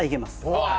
うわ！